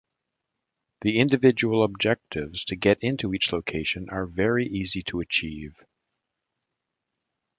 The individual objectives to get into each location are very easy to achieve.